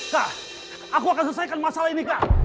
kak aku akan selesaikan masalah ini kak